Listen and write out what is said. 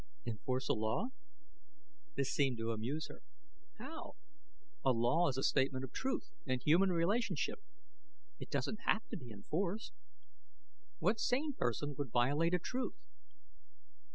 "Enforce a law?" This seemed to amuse her. "How? A law is a statement of a truth in human relationship; it doesn't have to be enforced. What sane person would violate a truth?